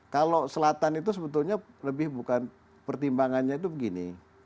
kalau selatan itu sebetulnya lebih bukan pertimbangannya itu begini